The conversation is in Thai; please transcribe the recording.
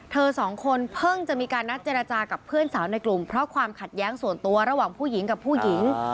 สองคนเพิ่งจะมีการนัดเจรจากับเพื่อนสาวในกลุ่มเพราะความขัดแย้งส่วนตัวระหว่างผู้หญิงกับผู้หญิง